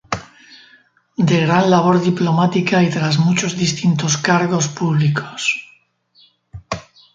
De gran labor diplomática y tras muchos distintos cargos públicos.